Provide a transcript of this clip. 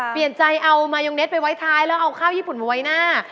เปลี่ยนใจเอามายองเน็ตไปไว้ท้ายแล้วเอาข้าวญี่ปุ่นมาไว้หน้า